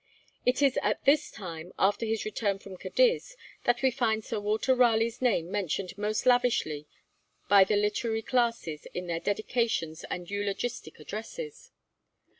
It is at this time, after his return from Cadiz, that we find Sir Walter Raleigh's name mentioned most lavishly by the literary classes in their dedications and eulogistic addresses.